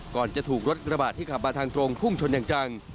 ก่อนจะถูกรถกระบาดที่ขับมาทางตรงพุ่งชนอย่างจัง